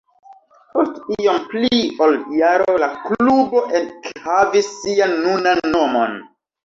Post iom pli ol jaro la klubo ekhavis sian nunan nomon.